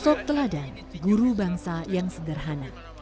sosok teladan guru bangsa yang sederhana